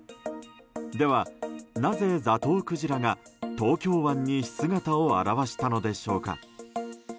では、なぜザトウクジラが東京湾に姿を現したのでしょうか。